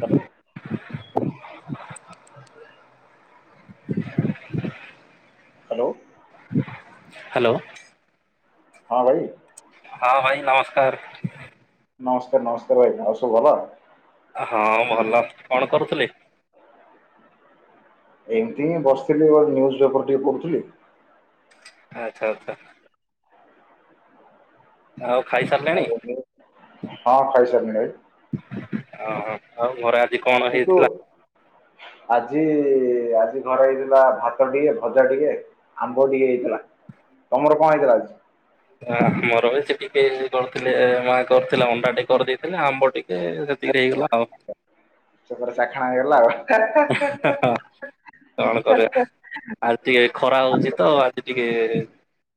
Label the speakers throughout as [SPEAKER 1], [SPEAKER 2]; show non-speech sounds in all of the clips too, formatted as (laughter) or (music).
[SPEAKER 1] Hello. Hello.
[SPEAKER 2] Hello.
[SPEAKER 1] ହଁ ଭାଇ।
[SPEAKER 2] ହଁ ଭାଇ ନମସ୍କାର।
[SPEAKER 1] ନମସ୍କାର ନମସ୍କାର୍ ଭାଇ ଆଉ ସବୁ ଭଲ?
[SPEAKER 2] ହଁ ଭଲ କଣ କରୁଥିଲେ?
[SPEAKER 1] ଏମିତି ହିଁ ବସିଥିଲି ନ୍ୟୁଜ୍ ପେପର୍ ଟିକେ ପଢ଼ୁଥିଲି।
[SPEAKER 2] ଆଚ୍ଛା ଆଚ୍ଛା। ଆଉ
[SPEAKER 1] ଆଉ
[SPEAKER 2] ଖାଇସାରିଲେଣି?
[SPEAKER 1] ମୁଁ- ହଁ ଖାଇ ସାରିଲିଣି।
[SPEAKER 2] ଓହୋ ଆଉ ଘରେ ଆଜି କଣ
[SPEAKER 1] କିନ୍ତୁ
[SPEAKER 2] ହେଇଥିଲା?
[SPEAKER 1] ଆଜି ଆଜି ଘରେ ହେଇଥିଲା ଭାତ ଟିକେ ଭଜା ଟିକେ ଆମ୍ବ ଟିକେ ହେଇଥିଲା ତମର କଣ ହେଇଥିଲା ଆଜି?
[SPEAKER 2] ହୁଁ ମୋର ବି ସେ ଟିକେ କରିଥିଲେ ମା କରିଥିଲା ଅଣ୍ଡା ଟିକେ କରିଦେଇଥିଲେ ଆମ୍ବ ଟିକ୍ ଏ ସେତିକିରି ହେଇଗଲା ଆଉ।
[SPEAKER 1] ସେଗୋଟେ ଶାଖା ହେଇଗଲା ଆଉ।
[SPEAKER 2] ଏ ହେ ହେ କଣ କରିଆ ଆଉ। ଟିକେ ଖରା ହଉଚି ତ ଆଜି ଟିକେ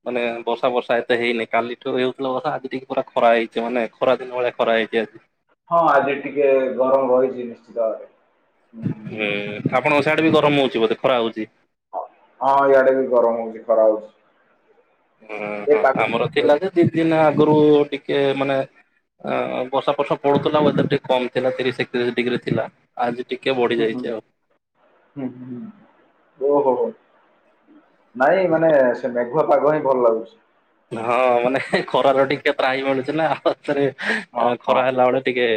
[SPEAKER 2] ମାନେ ବର୍ଷା ଫର୍ଷା ଏତେ ହେଇନି କାଲିଠୁ ହେଉଥିଲା ବର୍ଷା ଆଜି ଟିକେ ପୁରା ଖରା ହେଇଚି ମାନେ ଖରା ଦିନ ଭଳିଆ ଖରା ହେଇଚି ଆଜି।
[SPEAKER 1] ହଁ ଆଜି ଟିକେ ଗରମ ରହିଛି ନିଶ୍ଚିତ ଭାବରେ।
[SPEAKER 2] ହୁଁ ଆପଣଙ୍କ ସାଡେ ବି ଗରମ ହଉଚି ବୋଧେ ଖରା ହଉଚି।
[SPEAKER 1] ହଁ ଇଆଡେ ବି ଗରମ ହଉଚି ଖରା ହଉଚି।
[SPEAKER 2] ଉଁ ହଁ ଆମର ଥିଲା
[SPEAKER 1] ହୁଁ
[SPEAKER 2] ଯେ ଦି ଦିନ ଆଗରୁ ଟିକେ ମାନେ ଅଁ ବର୍ଷା ବର୍ଷା ପଡୁଥିଲା ୱେଦର ଟିକେ କମ୍ ଥିଲା ତିରିଶ, ଏକତିରିଶ ଡିଗ୍ରୀ ଥିଲା। ଆଜି ଟିକେ ବଢି
[SPEAKER 1] ହୁଁ
[SPEAKER 2] ଯାଇଚି ଆଉ।
[SPEAKER 1] ହୁଁ ଓହୋ ହୋ ନାଇଁ ମାନେ ସେ ପୁରା ପାଗ ହିଁ ଭଲ ଲାଗୁଚି।
[SPEAKER 2] ହଁ ମାନେ ଖରାରୁ ଟିକେ ତ୍ରାହି ମିଳୁଚି ନା, ଆଉଥରେ
[SPEAKER 1] ହଁ ହଁ।
[SPEAKER 2] ଖରା ହେଲାବେଳେ ଟିକେ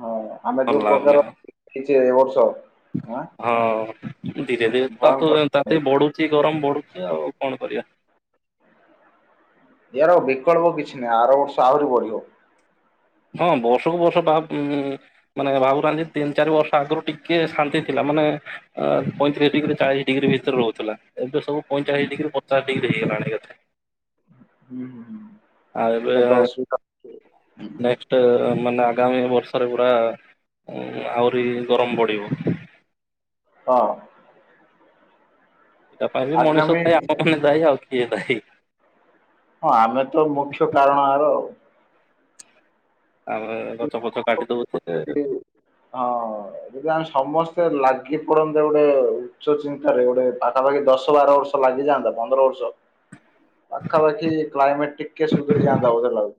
[SPEAKER 1] ହଁ ଆମେ
[SPEAKER 2] ଭଲ
[SPEAKER 1] ଯୋଉ
[SPEAKER 2] ଲାଗୁନି
[SPEAKER 1] ପ୍ରକାର
[SPEAKER 2] ଆଉ।
[SPEAKER 1] ହେଇଚେ ଏ ବର୍ଷ
[SPEAKER 2] ହଁ ଧୀରେ ଧୀରେ
[SPEAKER 1] ଭୟଙ୍କର
[SPEAKER 2] (unintelligible) ତାତି ବଢୁଚି ଗରମ ବଢୁଚି ଆଉ, କଣ କରିଆ?
[SPEAKER 1] ୟାର ବିକଳ୍ପ କିଛି ନାହିଁ, ଆର ବର୍ଷ ଆହୁରି ବଢିବ।
[SPEAKER 2] ହଁ ବର୍ଷକୁ ବର୍ଷ ବା ଉଁ ମାନେ ଭାବୁଥାନ୍ତି ତିନି ଚାରି ବର୍ଷ ଆଗରୁ ଟିକେ ଶାନ୍ତି ଥିଲା, ମାନେ ଅ ପଇଁତିରିଶ ଡିଗ୍ରୀ ଚାଳିଶ ଡିଗ୍ରୀ ଭିତରେ ରହୁଥିଲା, ଏବେ ସବୁ
[SPEAKER 1] ହୁଁ
[SPEAKER 2] ପଇଁଚାଳିଶ ଡିଗ୍ରୀରୁ ପଚାଶ ଡିଗ୍ରୀ ହେଇଗଲାଣି ଏକାଥରେ।
[SPEAKER 1] ହୁଁ- ହୁଁ
[SPEAKER 2] ଆଉ ଏବେ
[SPEAKER 1] ଏଇଟା ତ ଅସୁବିଧା।
[SPEAKER 2] ନେକ୍ସଟ ମାନେ ଆଗାମୀ ବର୍ଷରେ ପୁରା ଆହୁରି ଗରମ ବଢିବ।
[SPEAKER 1] ହଁ।
[SPEAKER 2] ତା ପାଇଁ ବି ମଣିଷ
[SPEAKER 1] ଆଗାମୀ
[SPEAKER 2] ଦାୟୀ, ଆପଣ ବି ଦାୟୀ, ଆଉ କିଏ ଦାୟୀ?
[SPEAKER 1] ହଁ ଆମେ ତ ମୁଖ୍ୟ କାରଣ ଆର ଆଉ।
[SPEAKER 2] ଆମେ ଗଛ ଫଛ କାଟିି ଦଉଚେ।
[SPEAKER 1] ଯଦି ହଁ। ଯଦି ବି ଆମେ ସମସ୍ତେ ଲାଗି ପଡନ୍ତେ ଗୋଟେ ଉଚ୍ଚ ଚିନ୍ତାରେ, ଗୋଟେ ପାଖା ପାଖି ଦଶ ବାର ବର୍ଷ ଲାଗିଯାନ୍ତା ପନ୍ଦର ବର୍ଷ
[SPEAKER 2] (unintelligible)
[SPEAKER 1] ପାଖାପାଖି କ୍ଲାଇମେଟ ଟିକେ ସୁଧୁରି ଯାଆନ୍ତା ବୋଧେ ଲାଗୁଚି।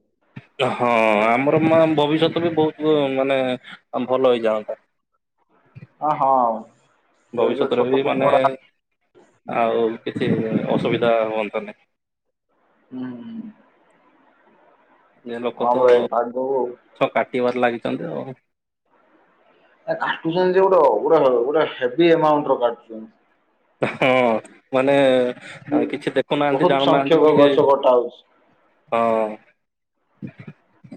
[SPEAKER 2] ହଁ ଆମର ମା ଭବିଷ୍ୟତ ବି ବହୁତ ମାନେ ଭଲ ହେଇଯାଆନ୍ତା।
[SPEAKER 1] ହଁ ହଉ।
[SPEAKER 2] ଭବିଷ୍ୟତରେ ବି ମାନେ
[SPEAKER 1] ହୁଁ
[SPEAKER 2] ଆଉ
[SPEAKER 1] ହୁଁ।
[SPEAKER 2] କିଛି ଅସୁବିଧା ହୁଅନ୍ତାନି।
[SPEAKER 1] ହୁଁ।
[SPEAKER 2] ଈଏ ଲୋକ
[SPEAKER 1] ହଁ
[SPEAKER 2] ତ
[SPEAKER 1] ପରା ଏ ପାଗକୁ
[SPEAKER 2] ସବୁ କାଟିବାରେ ଲାଗିଚନ୍ତି ଆଉ।
[SPEAKER 1] ଏ କାଟୁଚନ୍ତି ଯେ, ଗୋଟେ ଗୋଟେ ଗୋଟେ ହେଭି ଏମାଉଣ୍ଟର କାଟୁଚନ୍ତି।
[SPEAKER 2] ହଁ ମାନେ
[SPEAKER 1] କିଏ
[SPEAKER 2] କିଛି ଦେଖୁନାହାନ୍ତି,
[SPEAKER 1] ବହୁତ
[SPEAKER 2] ଜାଣୁନାହାନ୍ତି
[SPEAKER 1] ସଂଖ୍ୟକ
[SPEAKER 2] କି
[SPEAKER 1] ଗଛ କଟା ହଉଛି।
[SPEAKER 2] ହଁ।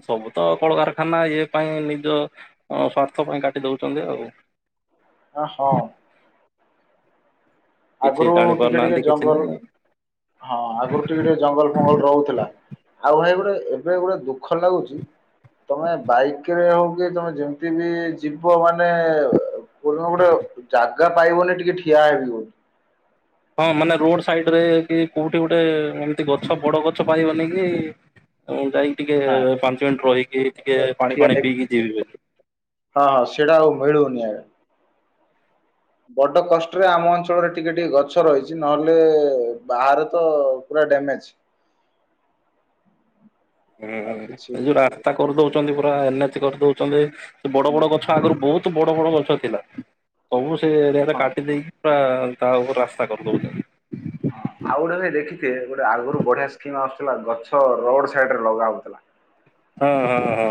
[SPEAKER 2] ସବୁ ତ କଳକାରଖାନା ଇଏ ପାଇଁ ନିଜ ହଁ ସ୍ବାର୍ଥ ପାଇଁ କାଟି ଦଉଚନ୍ତି ଆଉ।
[SPEAKER 1] ଆ ହଁ।
[SPEAKER 2] କିଛି
[SPEAKER 1] ଆଗରୁ
[SPEAKER 2] ଜାଣି
[SPEAKER 1] ଟିକେ ଟିକେ
[SPEAKER 2] ପାରୁନାହାନ୍ତି କିଛି
[SPEAKER 1] ଜଙ୍ଗଲ,
[SPEAKER 2] ନାହିଁ
[SPEAKER 1] ହଁ ଆଗରୁ ଟିକେ ଟିକେ ଜଙ୍ଗଲ (unintelligible) ରହୁଥିଲା। ଆଉ ଭାଇ ଗୋଟେ, ଏବେ ଗୋଟେ ଦୁଃଖ ଲାଗୁଚି ତମେ ବାଇକ୍ ରେ ହଉ କି ତମେ ଯେମିତି ବି ଯିବ ମାନେ କୋଉ ଦିନ ଗୋଟେ ଜାଗା ପାଇବନି ଟିକେ ଠିଆ ହେବି ବୋଲି।
[SPEAKER 2] ହଁ ମାନେ ରୋଡ ସାଇଡ୍ ରେ କି କୋଉଠି ଗୋଟେ, ଏମିତି ଗଛ ବଡ ଗଛ ପାଇବନି କି ତ ଯାଇକି ଟିକେ
[SPEAKER 1] ନା
[SPEAKER 2] ପାଞ୍ଚ ମିନିଟ୍ ରହିକି ଟିକେ ପାଣି
[SPEAKER 1] ଠିଆ
[SPEAKER 2] ଫାଣି
[SPEAKER 1] ହେବି
[SPEAKER 2] ପିଇକି ଯିବି ବେଲି।
[SPEAKER 1] ହଁ ସେଇଟା ଆଉ ମିଳୁନି ଆଉ। ବଡ କଷ୍ଟରେ ଆମ ଅଞ୍ଚଳରେ ଟିକେ ଟିକେ ଗଛ ରହିଛି, ନ ହେଲେ ବାହାରେ ତ ପୁରା ଡ୍ୟାମେଜ୍।
[SPEAKER 2] ହୁଁ
[SPEAKER 1] ଆଉ କିଛି
[SPEAKER 2] ଏ
[SPEAKER 1] ହୁଁ
[SPEAKER 2] ଯୋଉ ରାସ୍ତା କରିଦଉଛନ୍ତି ପୁରା ଏନ୍ ଏଚ କରିଦଉଛନ୍ତି, ସେ ବଡ
[SPEAKER 1] ହୁଁ।
[SPEAKER 2] ବଡ ଗଛ ଆଗରୁ ବହୁତ ବହୁତ୍ ବଡ ବଡ ଗଛ ଥିଲା, ସବୁ ସେ ଏରିଆରେ
[SPEAKER 1] ହଁ।
[SPEAKER 2] କାଟି ଦେଇକି ପୁରା ତା ଉପରେ ରାସ୍ତା କରିଦଉଚନ୍ତି।
[SPEAKER 1] ହଁ ଆଉ ଗୋଟେ ଭାଇ ଦେଖିଥିବେ ଗୋଟେ ଆଗରୁ ବଢିଆ ସ୍କିମ୍ ଆସୁଥିଲା, ଗଛ ରୋଡ୍ ସାଇଡ୍ ରେ ଲଗା ହଉଥିଲା।
[SPEAKER 2] ହଁ- ହଁ-ହଁ।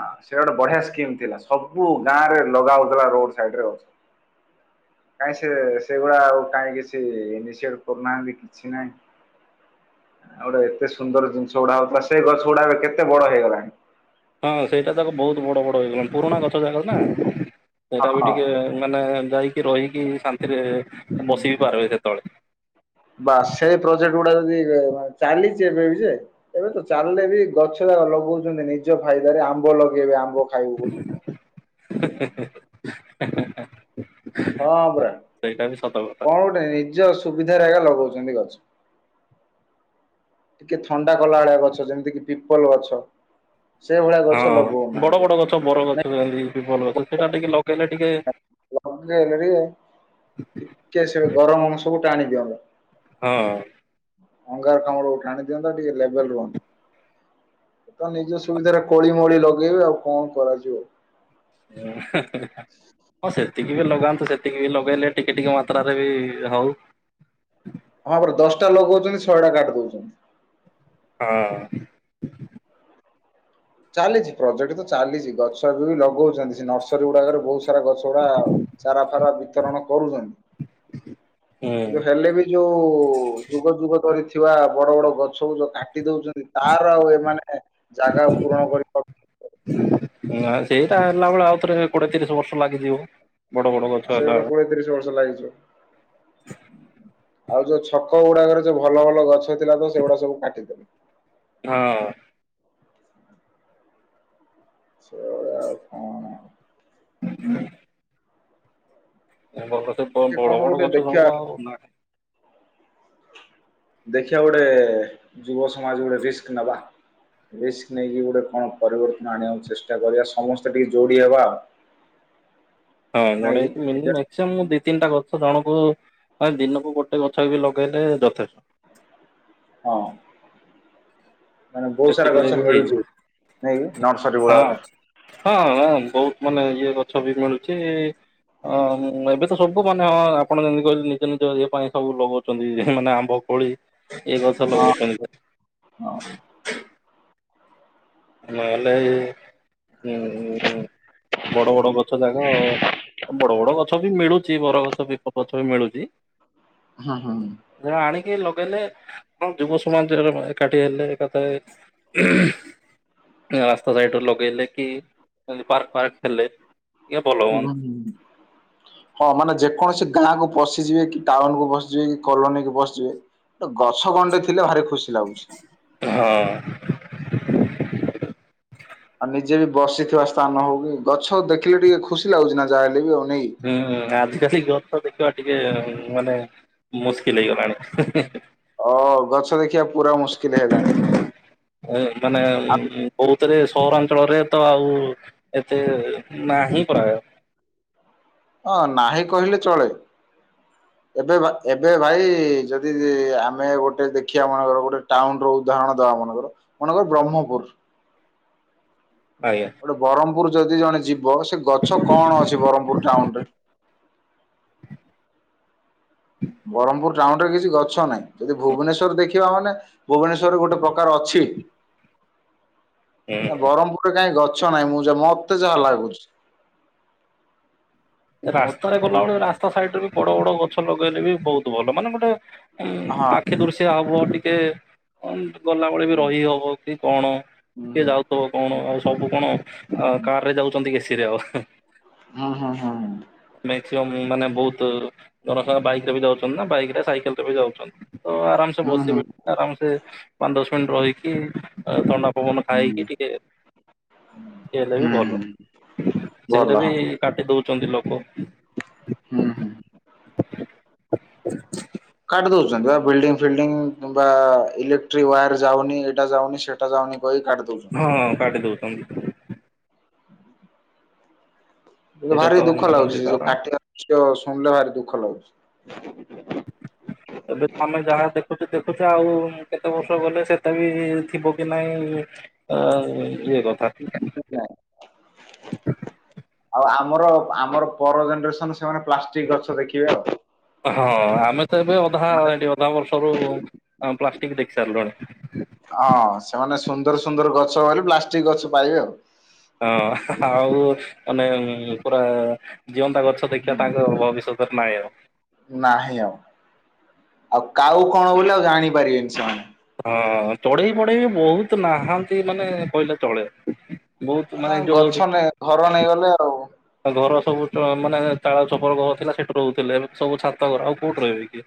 [SPEAKER 1] ଆଉ ସେ ଗୋଟେ ବଢିଆ ସ୍କିମ୍ ଥିଲା, ସବୁ ଗାଁରେ ଲଗା ହଉଥିଲା ରୋଡ ସାଇଡ୍ ରେ ଗଛ। କାଇଁ ସେ ସେଇଗୁଡା ଆଉ କାଇଁ କିଛି ଇନିସି ଅଭ୍ କରୁନାହାନ୍ତି କିଛି ନାହିଁ। ଆଉ ଗୋଟେ ଏତେ ସୁନ୍ଦର ଜିନିଷ ଗୁଡା ହଉଥିଲା, ସେ ଗଛ ଗୁଡା ଏବେ କେତେ ବଡ ହେଇଗଲାଣି।
[SPEAKER 2] ହଁ ସେଇଟା ତାକ ବହୁତ ବଡ଼ ବଡ଼ ହେଇଗଲାଣି, ପୁରୁଣା ଗଛ ଯାକ ନା ସେଇଟା ବି
[SPEAKER 1] ହଁ।
[SPEAKER 2] ଟିକେ ମାନେ ଯାଇକି ରହିକି ଶାନ୍ତିରେ ବସି ବିି ପାରିବେ ସେତେବେଳେ
[SPEAKER 1] (unintelligible) ବାସ ସେଇ ପ୍ରୋଜେକ୍ଟ ଗୁଡା ଯଦି ଚାଲିଛି ଏବେ ବି ଯେ ଏବେ ତ ଚାଲିଲେ ବି ଗଛ ଲଗଉଛନ୍ତି ନିଜ ଫାଇଦାରେ ଆମ୍ବ ଲଗେଇବେ ଆମ୍ବ ଖାଇବୁ ବୋଲି।
[SPEAKER 2] (inaudible)
[SPEAKER 1] ହଁ ପୁରା
[SPEAKER 2] ସେଇଟା ବି ସତ କଥା।
[SPEAKER 1] କଣ ଗୋଟେ ନିଜ ସୁବିଧାରେ ଆଜ୍ଞା ଲଗଉଛନ୍ତି ଗଛ। ଟିକେ ଥଣ୍ଡା କଲା ଭଳିଆ ଗଛ ଯେମିତି କିି ପିପଲ ଗଛ - -
[SPEAKER 2] ବଡ଼ ବଡ଼ ଗଛ ବର ଗଛ
[SPEAKER 1] ନାଇଁ
[SPEAKER 2] ଯେମତି ପପଲ ଗଛ ସେଟା ଟିକେ ଲଗେଇଲେ ଟିକେ
[SPEAKER 1] ଲଗେଇଲେ ଟିକେ ସେ ଗରମ୍ ସବୁ ଟ ଆଣି ଦିଅନ୍ତା।
[SPEAKER 2] ହଁ।
[SPEAKER 1] ଅଙ୍ଗାର କାଲଡ଼କୁ ଟାଣି ଦିଅନ୍ତାଟିକେ ଲେବଲ ରୁହନ୍ତା। ତ ନିଜ ସୁବିଧାରେ କୋଳି ମୋଳି ଲଗେଇବେ ଆଉ କଣ କରାଯିବ।
[SPEAKER 2] (inaudible) ହଁ, ସେତିକି ରେ ବି ଲଗାନ୍ତୁ ସେତିକି ବି ଲଗେଇଲେ ଟିକେ ଟିକେ ମାତ୍ରାରେ ବି ହଉ।
[SPEAKER 1] ହଁ, ଆମର ଦଶଟା ଲଗଉଛନ୍ତି ଶହେଟା କାଟି ଦଉଛନ୍ତି।
[SPEAKER 2] ହ।
[SPEAKER 1] ଚାଲିଛି ପ୍ରୋଜେକ୍ଟ ତ ଚାଲିଛି ଗଛ ଏବେ ବି ଲଗଉଛନ୍ତି ସେ ନର୍ସରୀ ଗୁଡାକରେ ବହୁତ ବିଚାରା ଗଛ ଗୁଡା ଚାରା ଫାରା ବିତରଣ କରୁଛନ୍ତି
[SPEAKER 2] ହୁଁ
[SPEAKER 1] କିନ୍ତୁ ହେଲେ ବି ଯୋଉ ଯୁଗ ଯୁଗ ଧରି ଥିବା ବଡ ବଡ ଗଛକୁ ଯୋଉ କାଟି ଦଉଛନ୍ତି। ତାର ଆଉ ଏମାନେ କାଇଁ ଜାଗା ପୂରଣ କରି
[SPEAKER 2] ହୁଁ ସେଇଟା ହେଲା ବଳେ ଆଉ ଥରେ କୋଡିଏ ତିରିଶ ବର୍ଷ ଲାଗିଯିବ। ବଡ ବଡ ଗଛ ହେଲା।
[SPEAKER 1] ତିରିଶ୍ ବର୍ଷ ଲାଗିଯିବ।
[SPEAKER 2] (unintelligible)
[SPEAKER 1] ଆଉ ଯୋଉ ଛକ ଗୁଡାକରେ ଯୋଉ ଭଲ ଭଲ ଗଛ ଥିଲା ତ ସେଗୁଡା ସବୁ କାଟିଦେଲେ।
[SPEAKER 2] ହଁ।
[SPEAKER 1] ସେଭଳିଆ ଆଉ କଣ।
[SPEAKER 2] (inaudible) ଲୋକ ସେଥିପାଇଁ
[SPEAKER 1] ଟିକେ
[SPEAKER 2] ସବୁ ଆଉ
[SPEAKER 1] କଣ
[SPEAKER 2] ବଡ଼ ବଡ଼
[SPEAKER 1] ଗୋଟେ
[SPEAKER 2] ଗଛ
[SPEAKER 1] ଦେଖିବା
[SPEAKER 2] ଆଉ।
[SPEAKER 1] ଦେଖିବା ଗୋଟେ ଯୁବ ସମାଜ ଗୋଟେ ରିସ୍କ ନବା। ରିସ୍କ ନେଇକି ଗୋଟେ କଣ ପରିବର୍ତ୍ତନ ଆଣିବାକୁ ଚେଷ୍ଟା କରିବା ସମସ୍ତେ ଟିକେ ଯୋଡି ହେବା ଆଉ।
[SPEAKER 2] (inaudible) ସେ
[SPEAKER 1] ନାଇଁ ନିଜ
[SPEAKER 2] ମୁଁ ଦି ତିନିଟା ଗଛ ଜଣକୁ ମାନେ ଦିନକୁ ଗୋଟେ ଗଛ ବି ଲଗେଇଲେ ଯଥେଷ୍ଟ
[SPEAKER 1] ହଁ। ମାନେ ବହୁତ ସାରା
[SPEAKER 2] ସେତିକିରେ
[SPEAKER 1] ଗଛ
[SPEAKER 2] ବି
[SPEAKER 1] ମିଳୁଛି
[SPEAKER 2] ହେଇଯିବ
[SPEAKER 1] ନାଇକ ନର୍ସରୀ
[SPEAKER 2] ହଁ
[SPEAKER 1] ଗୁଡାରେ
[SPEAKER 2] ହଁ ବହୁତ ମାନେ ଇଏ ଗଛ ବି ମିଳୁଛି। ହଁ ଏବେ ତ ସବୁ ମାନେ ହଁ ଆପଣ ଯେମିତି କହିଲେ ନିଜ ନିଜ ଇ ପାଇଁ ସବୁ ଲଗ ଛନ୍ତି ମାନେ ଆମ୍ବ କୋଳି ଏ ଗଛ
[SPEAKER 1] ହଁ
[SPEAKER 2] ଲଗେଇଛନ୍ତି।
[SPEAKER 1] ହଁ।
[SPEAKER 2] (inaudible) ନହଲେ (unintelligible) ହଁ ବଡ ବଡ ଗଛ ଯାକ ବଡ ବଡ ଗଛ ଗଛ ବି ମିଳୁଛି ବରଗଛ ବି ଗଛ ବି ମିଳୁଛି।
[SPEAKER 1] ହୁଁ ହୁଁ
[SPEAKER 2] ଣ ଆଣିକି ଲଗେଇଲେ ଆ ଯୁବ ସମାଜରେ ଏକାଠି ହେଲେ ଏକଥା ରାସ୍ତା ସାଇଡରୁ ଲୋକଗେଇଲେ କି ପାର୍କ ପାର୍କ ଖେଲେ
[SPEAKER 1] ହୁଁ। ହଁ ମାନେ ଯେକୌଣସି ଗାଁ କ ପଶିଯିବେ କି ଟାଉନକୁୁ ପସିଯିବେ କି କଲୋନୀ କୁ ପସିଯିବେ ଗଛ ଗଣ୍ଡେଇ ଥିଲେ ଭାରି ଖୁସି ଲାଗୁଛି।
[SPEAKER 2] ହଁ।
[SPEAKER 1] ଆଉ ନିଜେ ବି ବସିଥିବା ସ୍ଥାନ ହଉ କି ଗଛ ଦେଖିଲେ ଟିକେ ଖୁସି ଲାଗୁଛି ନା ଯାହାହଲେ ବି ଆଉ ନେଇ
[SPEAKER 2] ହୁଁ ଆଦିବାସୀ ଗଛ ତ ଦେଖିବା ଟିକେ ମାନେ ମୁସ୍କିଲ ହେଇଗଲାଣି।
[SPEAKER 1] ଓ ଗଛ ଦେଖିବା ପୁରା ମୁସ୍କିଲ ହେଲାଣି।
[SPEAKER 2] ମାନେ ବହୁତରେ ସହରାଞ୍ଚଳରେ ତ ଆଉ ଏତେ ନା ହିଁ କର
[SPEAKER 1] ଅଁ ନାହିଁ କହିଲେ ଚଳେ ଏବେ ଏବେ ଭାଇ ଯଦି ଆମେ ଗୋଟେ ଦେଖିବା ମାନେଙ୍କର ଗୋଟେ ଟାଉନ ରହୁଛ ଉଦାହରଣ ଦବା ମେଙ୍କର ମନେକର ବ୍ରହ୍ମପୁର
[SPEAKER 2] ଆଜ୍ଞା।
[SPEAKER 1] ଗୋଟେ ବ୍ରହ୍ମପୁର ଯଦି ଜଣେ ଯିବ ସେ ଗଛ କଣ ଅଛି ବ୍ରହ୍ମପୁର ଟାଉନ ରେ ବ୍ରହ୍ମପୁର ଟାଉନ ରେ କିଛି ଗଛ ନାହିଁ ଯଦି ଭୁବନେଶ୍ୱର ଦେଖିବା ମାନେ ଭୁବନେଶ୍ୱରରେ ଗୋଟେ ପ୍ରକାର ଅଛି ନା
[SPEAKER 2] ହୁଁ
[SPEAKER 1] ବ୍ରହ୍ମପୁର ଗୋଟେ କାହିଁ ଗଛ ନାହିଁ ମୁଁ ଯ ମତେ ଯାହା ଲାଗୁଛି। ମୋ
[SPEAKER 2] ରାସ୍ତାରେ
[SPEAKER 1] ହଁ
[SPEAKER 2] ଗଲାବେଳେ ରାସ୍ତା ସାଇଡରେ ବି ବଡ ବଡ ଗଛ ଲଗେଇଲେ ବି ବହୁତ ଭଲ ମାନେ ଗୋଟେ
[SPEAKER 1] ହୁଁ
[SPEAKER 2] ଆଖି ଦୁର୍ସିଆ ହବ ଟିକେ ହ ଗଲାବେଳେ ବି ରହି ହବ କି କଣ
[SPEAKER 1] ହୁଁ
[SPEAKER 2] କିଏ ଯାଉଥିବ କଣ ଆଉ ସବୁ କଣ କାର ରେ ଯାଉଛନ୍ତି କେସିିରେ ଆଉ
[SPEAKER 1] ହଁ ହଁ ହଁ।
[SPEAKER 2] ମାକ୍ସିମମ୍ ମାନେ ବହୁତ ର ବାଇକ ରେ ବି ଯାଉଛନ୍ତି ନା ବାଇକରେ ସାଇକେଲ ରେ ବି ଯାଉଛନ୍ତି ତ ଆରାମସେ
[SPEAKER 1] ହୁଁ
[SPEAKER 2] ବସିବେ ଆରାମସେ ପାଞ୍ଚ ଦଶ ମିନିଟ ରହିକି ଥଣ୍ଡା ପବନ ଖାଇକି
[SPEAKER 1] ହୁଁ
[SPEAKER 2] ଟିକେ ସେଟା ବି ଭଲ
[SPEAKER 1] ହୁଁ ଭଲ
[SPEAKER 2] ସେଇଟା ବି
[SPEAKER 1] ହଁ
[SPEAKER 2] କାଟି ଦଉଛନ୍ତି ଲୋକ
[SPEAKER 1] ହୁଁ ହୁଁ। କାଟି ଦଉଛନ୍ତି ବା ବିଲ୍ଡିଂ ଫିଲ୍ଡିଂ କିମ୍ବା ଇଲେକ୍ଟ୍ରିକ ୱାୟାର ଯାଉନି ଏଇଟ ଯାଉନି ସେଟା କହି କାଟୁ
[SPEAKER 2] ହଁ କାଟି ଦଉଛନ୍ତି। ସେଇଟା ତ
[SPEAKER 1] ଭାରି ଦୁଃଖ
[SPEAKER 2] ଇଏ
[SPEAKER 1] ଲାଗୁଛି
[SPEAKER 2] ତାର
[SPEAKER 1] ଯୋଉ କାଟିବା ଶୁଣିଲେ ଭାରି ଦୁଃଖ ଲାଗୁଛି।
[SPEAKER 2] ଏବେ ଆମେ ଯାହା ଦେଖୁଛେ ଦେଖୁଛେ ଆଉ କେତେ ବର୍ଷ ଗଲେ ସେତେ ବି ଥିବ କି ନାହିଁ (unintelligible)
[SPEAKER 1] (unintelligible) ଆଉ ଆମର ଆମର ପର ଜେନେରେସନ ସେମାନେ ପ୍ଲାଷ୍ଟିକ ଗଛ ଦେଖିବେ ଆଉ।
[SPEAKER 2] ହଁ ଆମେ ତ ଏବେ ହଁ
[SPEAKER 1] ମାନେ
[SPEAKER 2] ହେଇଥିବ ତମରସବୁ ପ୍ଲାଷ୍ଟିକ୍ ଦେଖି ସାରିଲୁଣି।
[SPEAKER 1] ହଁ ସେମାନେ ସୁନ୍ଦର ସୁନ୍ଦର ଗଛ ବୋଲି ପ୍ଲାଷ୍ଟିକ ଗଛ ପାଇବେ ଆଉ।
[SPEAKER 2] ହଁ ଆଉ ମାନେ ପୁରା ଜିଅନ୍ତା ଗଛ ଦେଖିବା
[SPEAKER 1] ହୁଁ।
[SPEAKER 2] ତାଙ୍କ ଭବିଷ୍ୟତରେ ନାହିଁ ଆଉ।
[SPEAKER 1] ନାହିଁ ଆଉ ଆଉ କାଉ କଣ ବୋଲି ଆଉ ଜାଣିପାରିବେନି ସେମାନେ।
[SPEAKER 2] ହଁ ଚଢେଇ ପଢେଇ ବହୁତ ନାହାନ୍ତି। ମାନେ କହିଲେ ଚଳେଇ। ବହୁତ
[SPEAKER 1] ଆଉ
[SPEAKER 2] ମାନେ
[SPEAKER 1] ତାଙ୍କ
[SPEAKER 2] ଯୋଉ
[SPEAKER 1] ଗଛ ନେ ଘର ନେଇଗଲେ ଆଉ।
[SPEAKER 2] ଘର ସବୁ ମାନେ ଚାଳ ଚଛପର ଘର ଥିଲା ସେଠୁ ରହୁଥିଲେ ସବୁ ଛାତଘର ଆଉ। କଉଟି ରହିବେ କି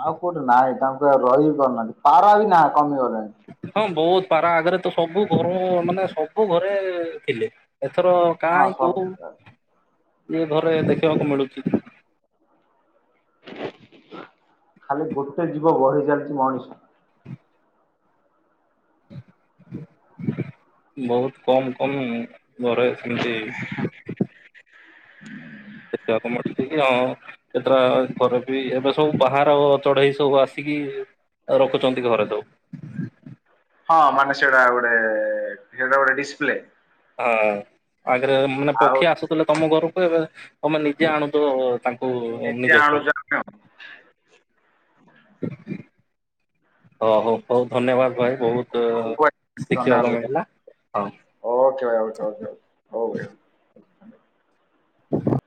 [SPEAKER 1] ଆଉ କୋଉଠି ନାହିଁ ତାଙ୍କୁ ରହି ବିି ପାରୁନାହାନ୍ତି ପାରା ବି ନାଁ କମିଗଲେଣି।
[SPEAKER 2] ହଁ ବହୁତ ପାରା ଆଗରେ ତ ସବୁ ଘର ମାନେ ସବୁ ଘରେ ଥିଲେ। ଏଥର
[SPEAKER 1] ହଁ
[SPEAKER 2] କାହି
[SPEAKER 1] ସବୁ
[SPEAKER 2] କହୁ ଏ ଘରେ ଦେଖିବାକୁ ମିଳୁଛି।
[SPEAKER 1] ଖାଲି ଗୋଟେ ଜୀବ ବଢି ଚାଲିଛି ମଣିଷ
[SPEAKER 2] ବହୁତ କମ୍ କମ୍ ଘରେ ସେମିତି। (unintelligible) ହଁ ଏଥଟା ଖରେ ବି ଏବେ ସବୁ ବାହାର ଚଢେଇ ସବୁ ଆସିକି? ରଖୁଛନ୍ତି ଘରେ ଯୋଉ
[SPEAKER 1] ହଁ ମାନେ ସେଇଟା ଗୋଟେ ଜଣେ ବଢ ଡିସପ୍ଲେ
[SPEAKER 2] ହଁ ଆଗରେ ମାନେ
[SPEAKER 1] ଆଉ
[SPEAKER 2] ପକ୍ଷୀ ଆସୁଥିଲେ ତମ ଘରକୁ ଏବେ ତମେ ନିଜେ ଆଣୁଛୁ ତାଙ୍କ ଓ ଅନି
[SPEAKER 1] ନିଜେ
[SPEAKER 2] ଜଳ
[SPEAKER 1] ଆଣୁଛ
[SPEAKER 2] ହଁ ହଉ ବହୁତ ଧନ୍ୟବାଦ ଭାଇ ବହୁତ୍। ଶିଖିବାକୁ ମିଳିଲା ହଉ।
[SPEAKER 1] ଓକେ ଭାଇ ଆଉ ହଉ ଭାଇଉ।
[SPEAKER 2] ହ (inaudible)